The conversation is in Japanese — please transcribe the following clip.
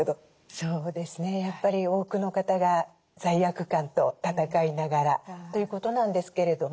そうですねやっぱり多くの方が罪悪感と闘いながらということなんですけれども。